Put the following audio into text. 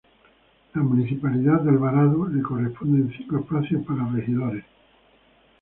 La municipalidad de Alvarado le corresponden cinco espacios para regidores.